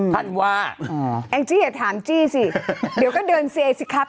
ท่านว่าแองจี้อย่าถามจี้สิเดี๋ยวก็เดินเซสิครับ